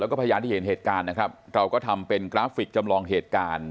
แล้วก็พยานที่เห็นเหตุการณ์นะครับเราก็ทำเป็นกราฟิกจำลองเหตุการณ์